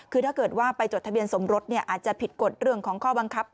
คือถ้าเกิดว่าไปจดทะเบียนสมรสอาจจะผิดกฎเรื่องของข้อบังคับ